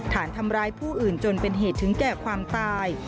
ฐานทำร้ายผู้อื่นจนเป็นเหตุถึงแก่ความตาย